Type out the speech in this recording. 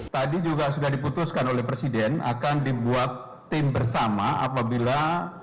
tadi juga sudah diputuskan oleh presiden akan dibuat tim bersama apabila